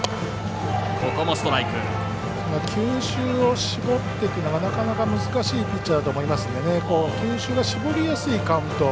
球種を絞ってっていうのはなかなか難しいピッチャーだと思いますので球種が絞りやすいカウント